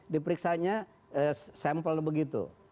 diperiksanya sampel begitu